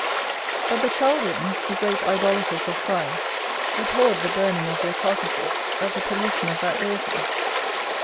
But the Chaldeans, the great idolaters of fire, abhorred the burning of their carcases, as a pollution of that deity.